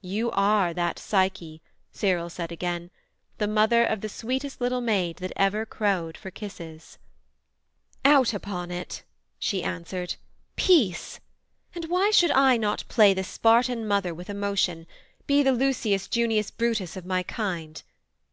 'You are that Psyche,' Cyril said again, 'The mother of the sweetest little maid, That ever crowed for kisses.' 'Out upon it!' She answered, 'peace! and why should I not play The Spartan Mother with emotion, be The Lucius Junius Brutus of my kind?